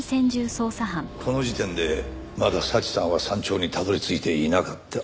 この時点でまだ早智さんは山頂にたどり着いていなかった。